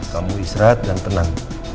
kamu istirahat dan tenang